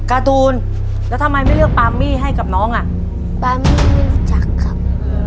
การ์ตูนแล้วทำไมไม่เลือกปาร์มี่ให้กับน้องอ่ะปามี่ไม่รู้จักครับ